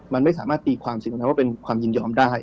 มันไม่สามารถตีความสิ่งตรงนั้นว่าเป็นความยินยอมได้